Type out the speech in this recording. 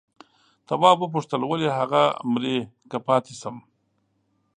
تواب وپوښتل ولې هغه مري که پاتې شم؟